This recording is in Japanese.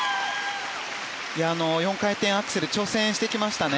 ４回転アクセル挑戦してきましたね。